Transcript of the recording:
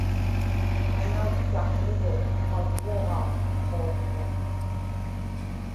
anauttaqługu avguġaa quaksraq